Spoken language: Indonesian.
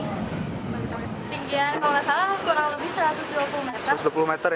ketinggian kalau nggak salah kurang lebih satu ratus dua puluh meter